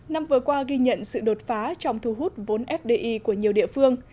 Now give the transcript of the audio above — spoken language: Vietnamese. năm vừa qua ghi nhận sự đột phá trong thu hút vốn fdi của nhiều địa phương